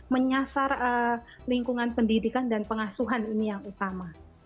menyasar lingkungan pendidikan dan pengasuhan ini yang utama